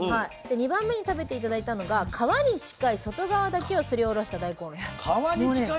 で２番目に食べて頂いたのが皮に近い外側だけをすりおろした大根おろし。